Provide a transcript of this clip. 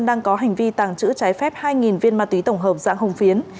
đang có hành vi tàng trữ trái phép hai viên ma túy tổng hợp dạng hồng phiến